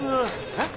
えっ？